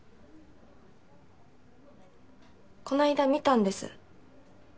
こないだ見たんです。